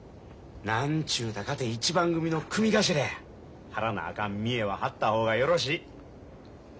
何ちゅうたかて一番組の組頭や張らなあかん見栄は張った方がよろしい。